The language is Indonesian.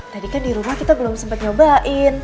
tadi kan di rumah kita belum sempat nyobain